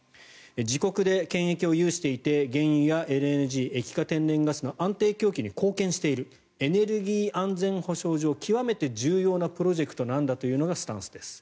自国で権益を有していて原油やＬＮＧ・液化天然ガスの安定供給に貢献しているエネルギー安全保障上極めて重要なプロジェクトなんだというのがスタンスです。